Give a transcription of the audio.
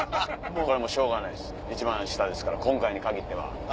これはしょうがないっす一番下ですから今回に限っては。